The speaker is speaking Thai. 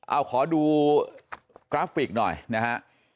เอาขอดูกราฟิกหน่อยนะฮะ